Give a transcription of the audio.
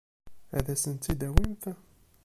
Ad asen-tt-id-tawimt?